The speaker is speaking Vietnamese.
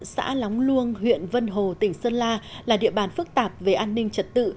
xã lóng luông huyện vân hồ tỉnh sơn la là địa bàn phức tạp về an ninh trật tự